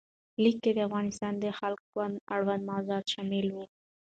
لیک کې د افغانستان د خلق ګوند اړوند موضوعات شامل وو.